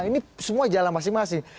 ini semua jalan masing masing